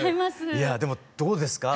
でもどうですか？